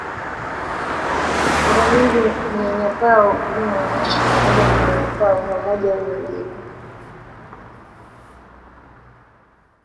Mara nyingi unyanyapaa wa Ukimwi huonyeshwa pamoja na unyanyapaa wa aina moja au nyingine